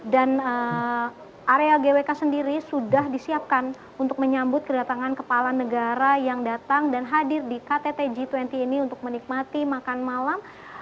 area gwk sendiri sudah disiapkan untuk menyambut kedatangan kepala negara yang datang dan hadir di ktt g dua puluh ini untuk menikmati makan malam